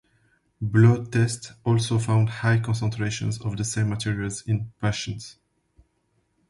Blood tests also found high concentrations of the same materials in patients.